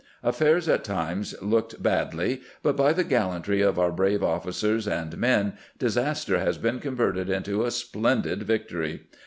Affairs at times looked badly, but by tlie gallantry of our brave officers and men disaster bas been converted into a splendid victory.